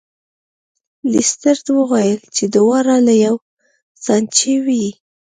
لیسټرډ وویل چې دواړه له یوې سانچې وې.